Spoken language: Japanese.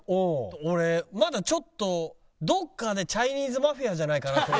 俺まだちょっとどっかでチャイニーズマフィアじゃないかなと。